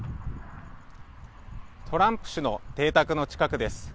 トランプ氏の邸宅の近くです。